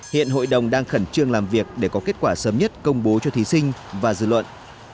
hiện hội đồng đang khẩn trương làm việc để có kết quả sớm nhất công bố cho thí sinh và dư luận